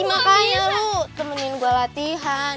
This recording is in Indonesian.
makanya lu temenin gue latihan